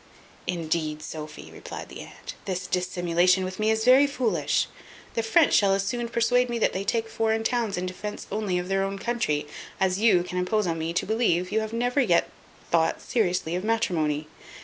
"Indeed, Sophy," replied the aunt, "this dissimulation with me is very foolish. The French shall as soon persuade me that they take foreign towns in defence only of their own country, as you can impose on me to believe you have never yet thought seriously of matrimony.